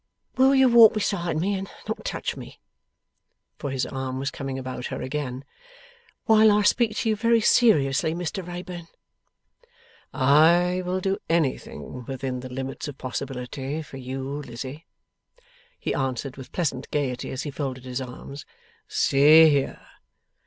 'Will you walk beside me, and not touch me;' for, his arm was coming about her again; 'while I speak to you very seriously, Mr Wrayburn?' 'I will do anything within the limits of possibility, for you, Lizzie,' he answered with pleasant gaiety as he folded his arms. 'See here!